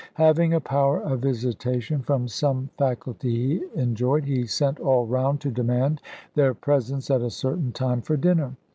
Having a power of visitation, from some faculty he enjoyed, he sent all round to demand their presence at a certain time, for dinner.